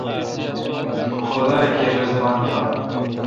خدا کیر رس بان تھ ۔